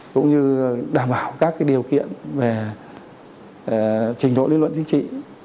cũng như đảm bảo các điều kiện về trình độ lý luận chính trị